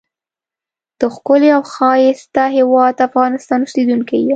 دښکلی او ښایسته هیواد افغانستان اوسیدونکی یم.